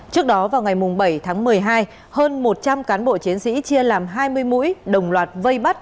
trước đó vào ngày bảy tháng một mươi hai hơn một trăm linh cán bộ chiến sĩ chia làm hai mươi mũi đồng loạt vây bắt